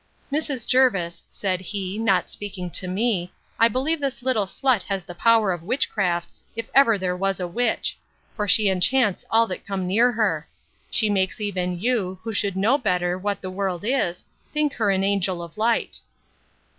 Mrs. Jervis, said he, not speaking to me, I believe this little slut has the power of witchcraft, if ever there was a witch; for she enchants all that come near her. She makes even you, who should know better what the world is, think her an angel of light.